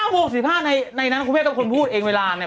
บวก๑๕ในนั้นคุณแม่เป็นคนพูดเองเวลาเนี่ย